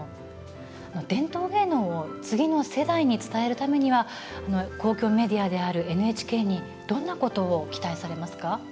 伝統芸能を次の世代に伝えるためには公共メディアであるＮＨＫにどんなことを期待されますか。